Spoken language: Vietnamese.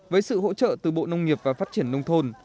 với sự hỗ trợ từ bộ nông nghiệp và phát triển nông thôn